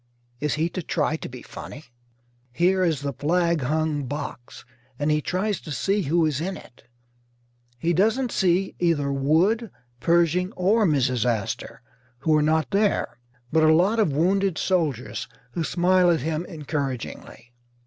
Is he to try to be funny? Here is the flag hung box, and he tries to see who is in it. He doesn't see either Wood, Pershing, or Mrs. Astor, who are not there; but a lot of wounded soldiers, who smile at him encouragingly.